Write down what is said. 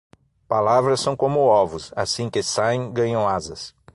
Palavras são como ovos: assim que saem, ganham asas.